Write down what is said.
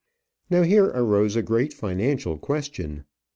Now here arose a great financial question.